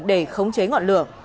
để khống chế ngọn lửa